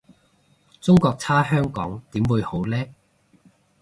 中國差香港點會好呢？